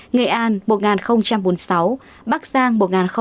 nghệ an một bốn mươi sáu bắc giang một một mươi hai